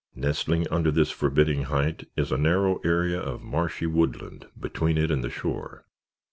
Nestling under this forbidding height is a narrow area of marshy woodland between it and the shore.